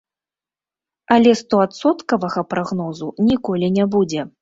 Але стоадсоткавага прагнозу ніколі не будзе.